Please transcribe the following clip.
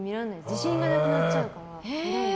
自信がなくなっちゃうから。